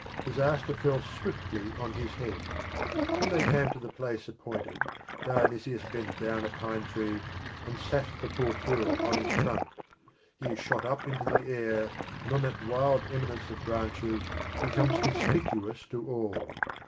Disaster fell swiftly on his head. When they came to the place appointed Dionysus bent down a pine tree and sat the poor fool on its trunk ; he is shot up into the air, and on that wild eminence of branches becomes conspicuous to all.